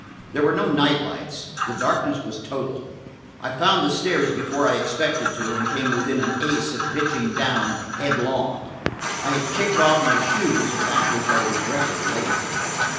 There were no night lights; the darkness was total. I found the stairs before I expected to, and came within an ace of pitching down, headlong. I had kicked off my shoes–a fact which I regretted later.